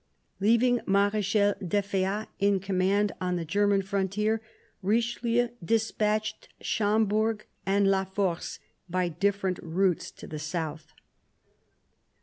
Leaving Marechal d'Effiat in command on the German frontier, Richeheu despatched Schomberg and La Force by different routes to the south.